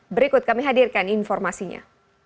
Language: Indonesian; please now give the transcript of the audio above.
berikut kami hadirkan informasinya